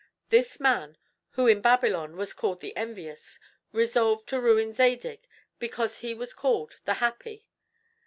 This man, who in Babylon was called the Envious, resolved to ruin Zadig because he was called the Happy.